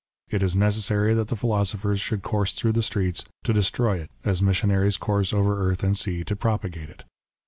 It is necessary that the philosophers should course through the streets to destroy it as missionaries course over earth and sea to propagate it.